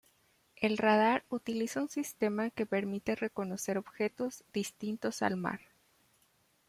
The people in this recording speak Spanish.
El radar utiliza un sistema que permite reconocer objetos distintos al mar.